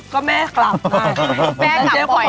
ก็แม่กลับนะ